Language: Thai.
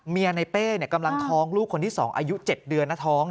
ในเป้กำลังท้องลูกคนที่๒อายุ๗เดือนนะท้อง